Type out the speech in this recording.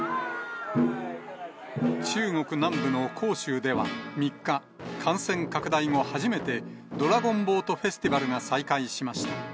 中国南部の広州では、３日、感染拡大後初めて、ドラゴンボートフェスティバルが再開しました。